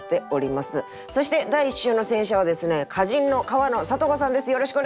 そして第１週の選者はですね歌人の川野里子さんです。